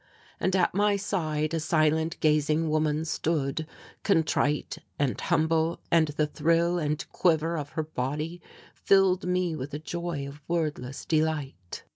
And at my side a silent gazing woman stood, contrite and humble and the thrill and quiver of her body filled me with a joy of wordless delight.